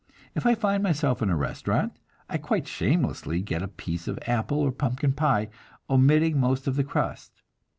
If I find myself in a restaurant, I quite shamelessly get a piece of apple or pumpkin pie, omitting most of the crust.